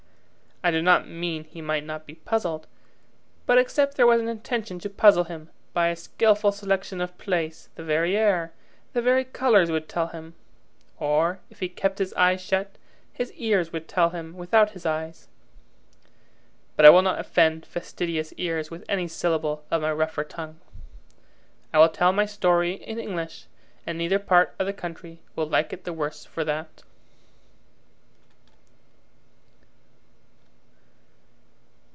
I do not mean he might not be puzzled, but except there was an intention to puzzle him by a skilful selection of place, the very air, the very colours would tell him; or if he kept his eyes shut, his ears would tell him without his eyes. But I will not offend fastidious ears with any syllable of my rougher tongue. I will tell my story in English, and neither part of the country will like it the worse for that.